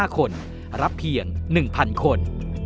๕คนรับเพียง๑๐๐๐คน